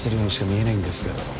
見えないんですけど